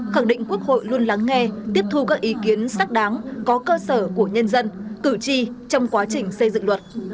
khẳng định quốc hội luôn lắng nghe tiếp thu các ý kiến xác đáng có cơ sở của nhân dân cử tri trong quá trình xây dựng luật